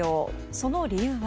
その理由は？